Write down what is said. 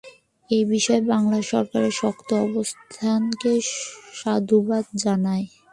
এ বিষয়ে বাংলাদেশ সরকারের শক্ত অবস্থানকে সাধুবাদ জানাই।